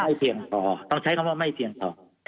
เพียงพอต้องใช้คำว่าไม่เพียงพอ